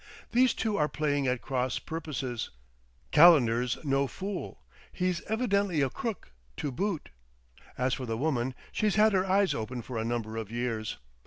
"These two are playing at cross purposes. Calendar's no fool; he's evidently a crook, to boot. As for the woman, she's had her eyes open for a number of years.